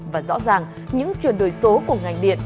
và rõ ràng những chuyển đổi số của ngành điện